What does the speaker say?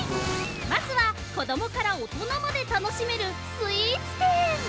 まずは子供から大人まで楽しめるスイーツ店。